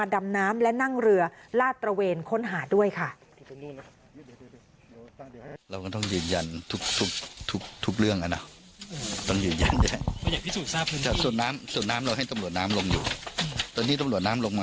ดำน้ำและนั่งเรือลาดตระเวนค้นหาด้วยค่ะ